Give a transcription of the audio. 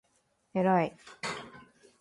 えらい！！！！！！！！！！！！！！！